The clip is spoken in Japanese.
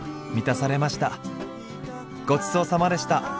ごちそうさまでした！